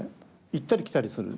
行ったり来たりする。